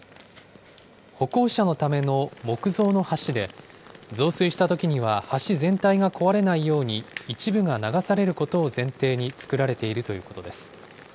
歩行者のための木造の橋で、増水したときには橋全体が壊れないように、一部が流されることを前提に作られているということです。